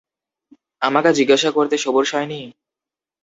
আমাকে জিজ্ঞাসা করতে সবুর সয় নি?